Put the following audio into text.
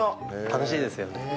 楽しいですよね。